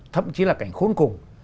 thậm chí là cảnh khốn cùng